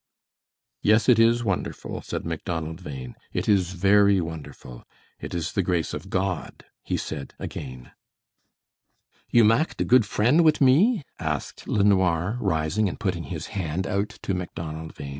"Yes, it is wonderful," said Macdonald Bhain. "It is very wonderful. It is the grace of God," he said again. "You mak' de good frien' wit me?" asked LeNoir, rising and putting his hand out to Macdonald Bhain.